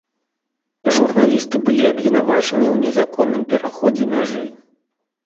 Журналісты былі абвінавачаны ў незаконным пераходзе мяжы.